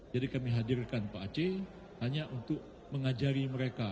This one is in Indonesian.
jadi kami hadirkan pak aceh hanya untuk mengajari mereka